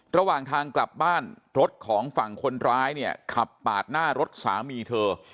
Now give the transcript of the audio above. ระหว่างทางกลับบ้านรถของฝั่งคนร้ายเนี่ยขับปาดหน้ารถสามีเธอ